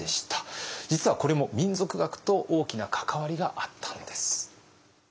実はこれも民俗学と大きな関わりがあったんです。